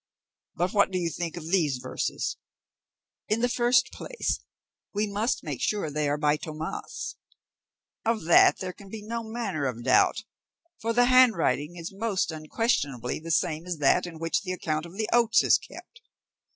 But what do you think of these verses?" "In the first place, we must make sure that they are by Tomas." "Of that there can be no manner of doubt, for the handwriting is most unquestionably the same as that in which the account of the oats is kept."